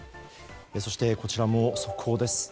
そしてこちらも速報です。